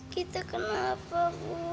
gita kenapa bu